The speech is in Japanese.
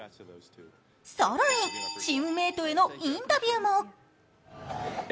更に、チームメイトへのインタビューも。